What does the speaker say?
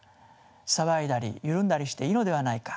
騒いだり緩んだりしていいのではないか。